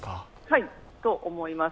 はい、と思います。